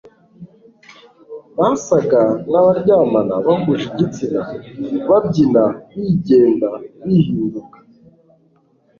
basaga nabaryamana bahuje igitsina babyina bigenda bihinduka